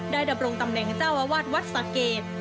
ได้ดำรงตำแหน่งเจ้าอาวาสวัสดิ์ศาสตร์เกรด